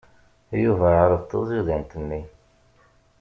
Yuba iɛṛeḍ taẓidant-nni.